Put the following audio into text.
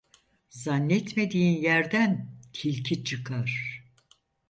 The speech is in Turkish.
Zannetmediğin yerden tilki çıkar.